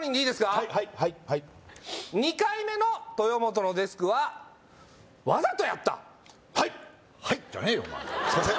はいはいはいはい２回目の豊本のデスクはわざとやったはい「はい」じゃねえよお前すいません